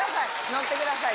乗ってください